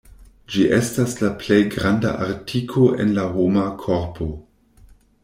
Ĝi estas la plej granda artiko en la homa korpo.